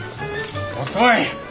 遅い！